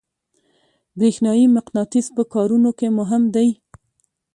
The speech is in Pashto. برېښنایي مقناطیس په کارونو کې مهم دی.